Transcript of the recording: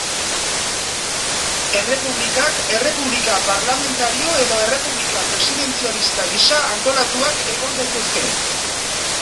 Errepublikak errepublika parlamentario edo errepublika presidentzialista gisa antolatuak egon daitezke.